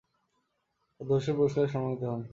পদ্মভূষণ পুরষ্কারে সম্মানিত হন।